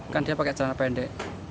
kan dia pakai celana pendek